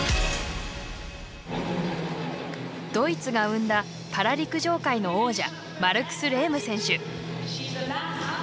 ドイツが生んだパラ陸上界の王者マルクス・レーム選手。